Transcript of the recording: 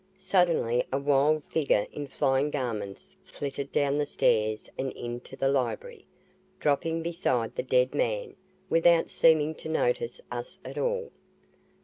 Suddenly a wild figure in flying garments flitted down the stairs and into the library, dropping beside the dead man, without seeming to notice us at all.